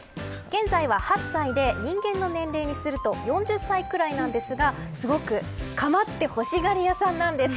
現在は８歳で人間の年齢にすると４０歳くらいなんですがすごく構ってほしがり屋さんなんです。